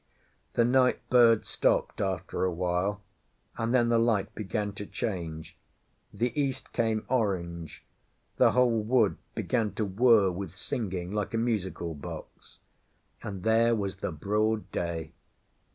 The night birds stopped after a while; and then the light began to change, the east came orange, the whole wood began to whirr with singing like a musical box, and there was the broad day.